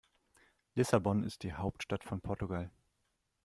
Lissabon ist die Hauptstadt von Portugal.